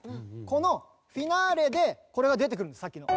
このフィナーレでこれが出てくるんですさっきの。